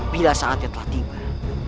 bila saatnya telah tiba